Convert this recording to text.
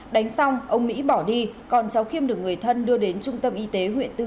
đánh xong ông mỹ bỏ đi còn cháu khiêm được người thân đưa đến trung tâm y tế